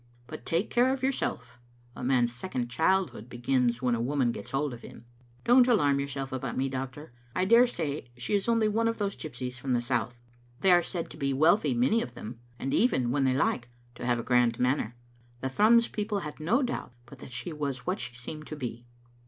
But take care of your self; a man's second childhood begins when a woman gets hold of him." " Don't alarm yourself about me, doctor. I daresay she is only one of those gypsies from the South. They are said to be wealthy, many of them, and even, when they like, to have a grand manner. The Thrums peo ple had no doubt but that she was what she seemed to be."